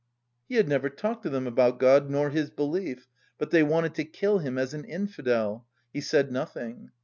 He had never talked to them about God nor his belief, but they wanted to kill him as an infidel. He said nothing.